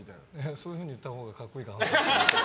そういうほうに言ったほうが格好いいかなって。